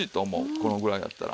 このぐらいやったら。